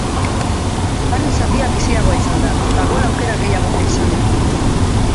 Bigarren zatia biziagoa izan da, eta gol aukera gehiago ere izan ditu.